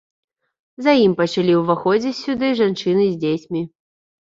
За ім пачалі ўваходзіць сюды жанчыны з дзецьмі.